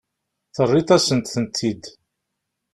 Terriḍ-asen-tent-id.